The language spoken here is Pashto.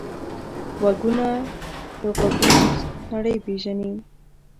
غوږونه له غږونو نړۍ پېژني